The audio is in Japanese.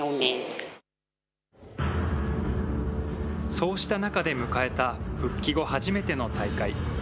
そうした中で迎えた復帰後初めての大会。